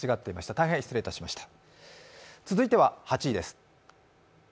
大変失礼いたしました。